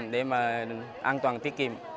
để mà an toàn tiết kiệm